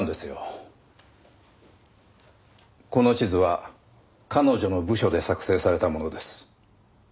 この地図は彼女の部署で作成されたものです。